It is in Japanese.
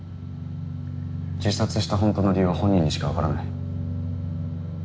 自殺した本当の理由は本人にしかわからない。